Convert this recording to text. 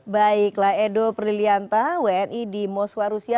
baiklah edo prilianta wni di moskwa rusia